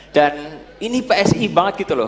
dan ini psi banget gitu loh